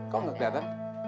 kau nggak kelihatan